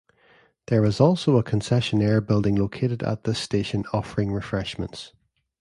There is also a concessionaire building located at this station offering refreshments.